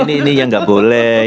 ini yang gak boleh